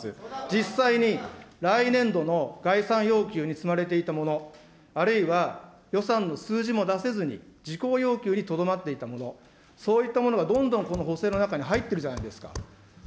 実際に来年度の概算要求に積まれていたもの、あるいは予算の数字も出せずに、事項要求にとどまっていたもの、そういったものがどんどんこの補正の中に入ってるじゃないですか。